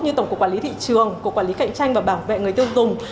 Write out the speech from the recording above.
như tổng cục quản lý thị trường cục quản lý cạnh tranh và bảo vệ người tiêu dùng